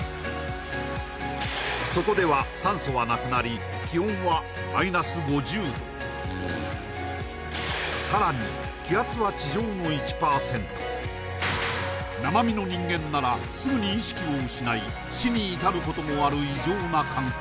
そこでは酸素はなくなりさらに気圧は地上の１％生身の人間ならすぐに意識を失い死に至ることもある異常な環境